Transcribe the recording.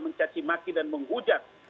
mencaci maki dan menghujat